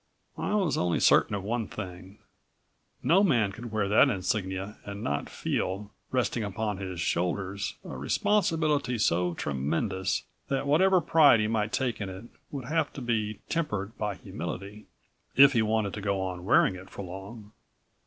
I was only certain of one thing. No man could wear that insignia and not feel, resting upon his shoulders, a responsibility so tremendous that whatever pride he might take in it would have to be tempered by humility if he wanted to go on wearing it for long.